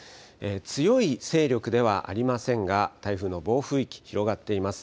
強い勢力ではありませんが、台風の暴風域、広がっています。